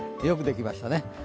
よくできましたね。